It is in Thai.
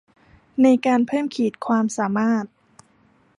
ในการเพิ่มขีดความสามารถ